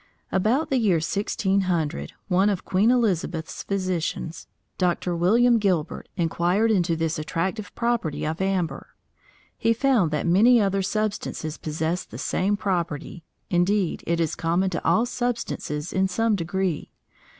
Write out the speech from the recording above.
About the year 1600, one of Queen Elizabeth's physicians, Dr. William Gilbert, inquired into this attractive property of amber. He found that many other substances possessed the same property. Indeed it is common to all substances in some degree.